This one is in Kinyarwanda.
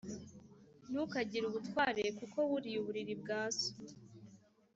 Ntukagire ubutware kuko wuriye uburiri bwa so